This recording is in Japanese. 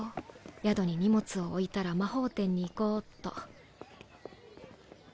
宿に荷物を置いたら魔法店に行こうっと。